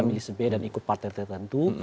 milih si b dan ikut partai tertentu